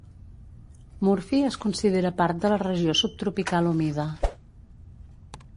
Murphy es considera part de la regió subtropical humida.